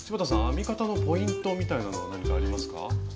編み方のポイントみたいなのは何かありますか？